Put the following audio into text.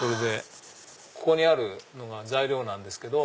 ここにあるのが材料なんですけど。